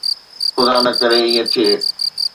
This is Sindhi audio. خدا نه ڪري ته ائين ٿئي.